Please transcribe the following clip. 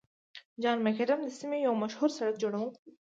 جان مکډم د سیمې یو مشهور سړک جوړونکی و.